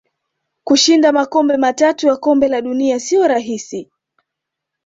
Kushinda makombe matatu ya kombe la dunia siyo rahisi